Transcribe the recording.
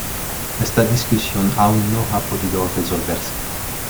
Esta discusión aún no ha podido resolverse.